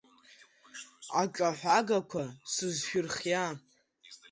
Аҿаҳәагақәа сызшәырхиа!